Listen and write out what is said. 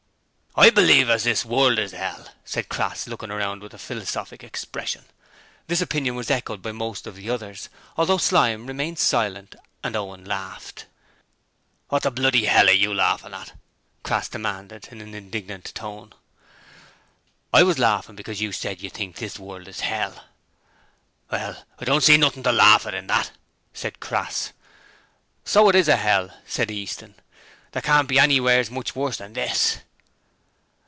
'I believe as THIS world is 'ell,' said Crass, looking around with a philosophic expression. This opinion was echoed by most of the others, although Slyme remained silent and Owen laughed. 'Wot the bloody 'ell are YOU laughin' at?' Crass demanded in an indignant tone. 'I was laughing because you said you think this world is hell.' 'Well, I don't see nothing to laugh at in that,' said Crass. 'So it IS a 'ell,' said Easton. 'There can't be anywheres much worse than this.'